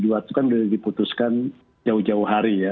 itu kan sudah diputuskan jauh jauh hari ya